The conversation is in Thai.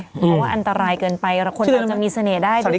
เพราะว่าอันตรายเกินไปคนอาจจะมีเสน่ห์ได้ด้วย